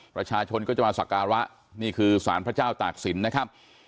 ประชาชนก็จะมาสักการะนี่คือสารพระเจ้าตากศิลป์นะครับ